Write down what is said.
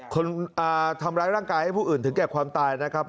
คนทำร้ายร่างกายให้ผู้อื่นถึงแก่ความตายนะครับ